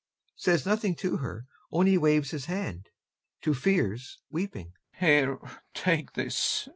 [Says nothing to her, only waves his hand; to FIERS, weeping] Here, take this....